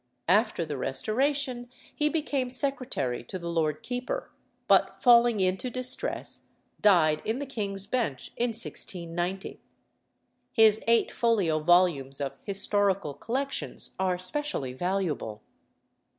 After the Restoration he became secretary to the Lord Keeper, but falling into distress, died in the King's Bench in 1690. His eight folio volumes of Historical Collections are specially valuable.